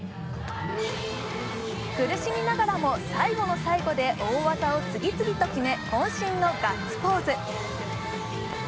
苦しみながらも最後の最後で大技を次々と決めこん身のガッツポーズ。